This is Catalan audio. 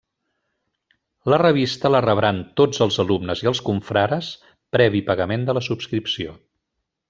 La revista la rebran tots els alumnes i els confrares previ pagament de la subscripció.